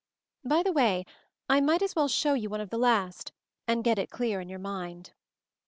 By the way, I might as well show you one of those last, and get it clear in your mind."